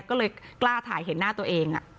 ก็เลยกล้าถ่ายเห็นหน้าตัวเอง